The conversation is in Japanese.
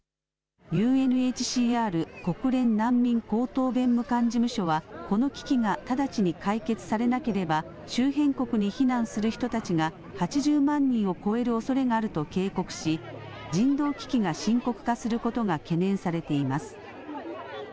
ＵＮＨＣＲ・国連難民高等弁務官事務所はこの危機が直ちに解決されなければ周辺国に避難する人たちが８０万人を超えるおそれがあると警告し人道危機が深刻化することが懸念されています。